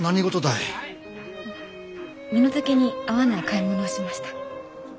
身の丈に合わない買い物をしました。